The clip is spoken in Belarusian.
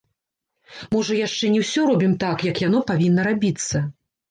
Можа яшчэ не ўсё робім так, як яно павінна рабіцца.